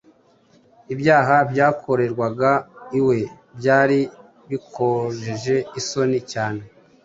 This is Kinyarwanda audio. Ibyaha byakorerwaga iwe byari bikojeje isoni cyane